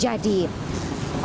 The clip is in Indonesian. jika peristiwa tersebut terjadi